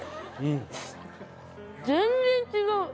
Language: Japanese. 全然違う！